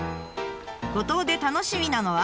五島で楽しみなのは？